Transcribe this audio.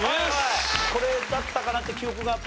これだったかなっていう記憶があった？